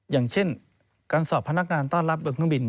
อย่างเช่นการสอบพนักงานต้อนรับบนเครื่องบิน